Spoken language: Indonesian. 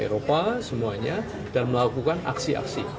eropa semuanya dan melakukan aksi aksi